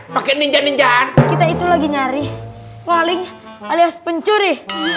pakai ninja ninjaan kita itu lagi nyari polling alias pencuri